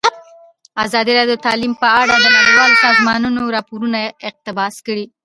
ازادي راډیو د تعلیم په اړه د نړیوالو سازمانونو راپورونه اقتباس کړي.